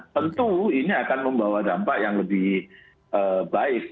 tentu ini akan membawa dampak yang lebih baik